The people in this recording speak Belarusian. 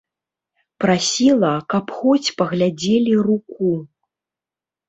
Прасіла, каб хоць паглядзелі руку.